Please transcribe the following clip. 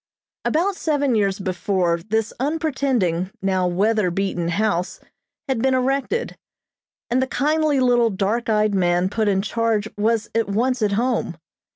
About seven years before this unpretending, now weather beaten house had been erected, and the kindly little dark eyed man put in charge was at once at home.